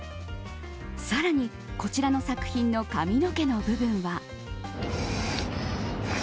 さらに、こちらの作品の髪の毛の部分は。